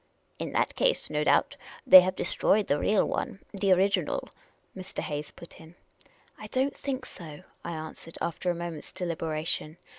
" In that case, no doubt, they have destroyed the real one, the original," Mr. Hayes put in. " I don't think so," I answered, after a moment's delibera tion.